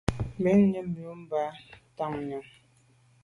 Bù à’ yə́n yúp mbɑ̂ bǎ tǎmnyɔ̀ŋ.